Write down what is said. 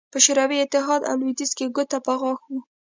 په شوروي اتحاد او لوېدیځ کې ګوته په غاښ وو